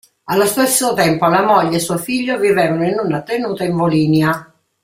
Allo stesso tempo la moglie e suo figlio vivevano in una tenuta in Volinia.